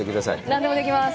何でもできます！